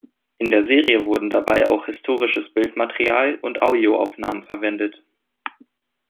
In der Serie wurden dabei auch historisches Bildmaterial und Audioaufnahmen verwendet.